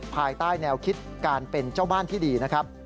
ภายใต้แนวคิดการเป็นเจ้าบ้านที่ดีนะครับ